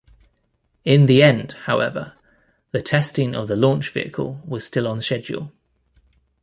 In the end however the testing of the launch vehicle was still on schedule.